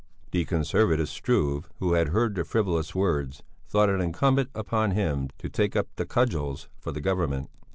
The conservative Struve, who had heard the frivolous words, thought it incumbent on him to take up the cudgels for the Government.